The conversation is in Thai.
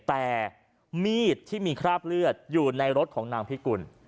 แต่มีดที่มีคราบเลือดอยู่ในรถของนางพิกุล